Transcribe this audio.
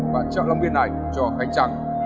và chợ long biên này cho khánh trắng